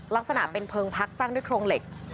ลักษณะเป็นเพลิงพักสร้างด้วยโครงเหล็ก